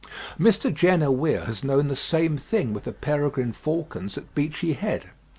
Mr. Jenner Weir has known the same thing with the peregrine falcons at Beachy Head.